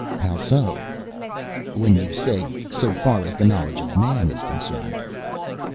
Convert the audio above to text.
"How so?" "When you say 'so far as the knowledge of man is concerned.'"